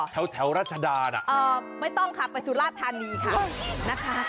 แถวรัชดาน่ะไม่ต้องค่ะไปสุราธานีค่ะนะคะ